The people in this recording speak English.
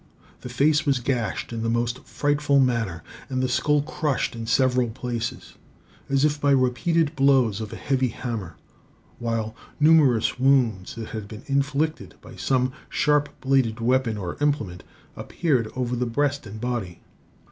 The face was gashed in the most frightful manner; and the skull crushed in several places, as if by repeated blows of a heavy hammer, while numerous wounds, that had been inflicted by some sharp bladed weapon or implement, appeared over the breast and body.